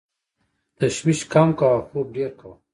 تشویش کم کوه او خوب ډېر کوه .